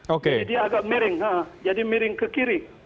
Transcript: jadi agak miring jadi miring ke kiri